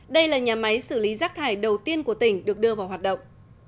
đây là nhà máy xử lý rác thải đầu tiên của tỉnh được đưa vào hoạt động